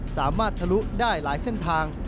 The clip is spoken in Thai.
สามารถทะลุได้หลายเส้นทาง